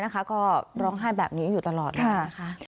ก็ร้องไห้แบบนี้อยู่ตลอดเลยนะคะ